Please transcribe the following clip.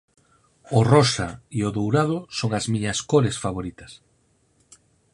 O rosa e o dourado son as miñas cores favoritas.